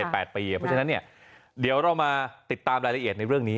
เพราะฉะนั้นเดี๋ยวเรามาติดตามรายละเอียดในเรื่องนี้